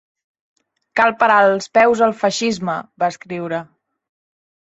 Cal parar els peus al feixisme!, va escriure.